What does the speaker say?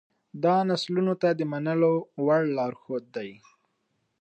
دا نسلونو ته د منلو وړ لارښود دی.